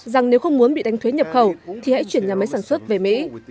rằng nếu không muốn bị đánh thuế nhập khẩu thì hãy chuyển nhà máy sản xuất về mỹ